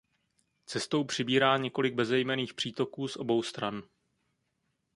Cestou přibírá několik bezejmenných přítoků z obou stran.